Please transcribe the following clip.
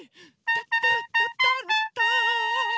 タッタラッタターラッター！